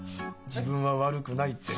「自分は悪くない」って。